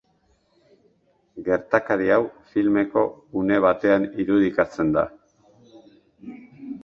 Gertakari hau filmeko une batean irudikatzen da.